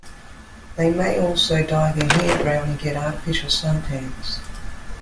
They may also dye their hair brown and get artificial suntans.